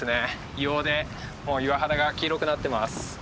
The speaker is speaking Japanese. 硫黄で岩肌が黄色くなってます。